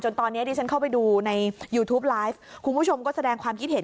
ตอนนี้ที่ฉันเข้าไปดูในยูทูปไลฟ์คุณผู้ชมก็แสดงความคิดเห็น